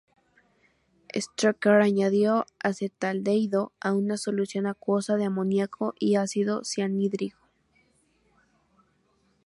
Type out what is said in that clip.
Strecker añadió acetaldehído a una solución acuosa de amoniaco y ácido cianhídrico.